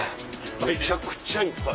めちゃくちゃいっぱい。